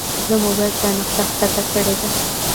زه موبایل ته نقشه ښکته کړې ده.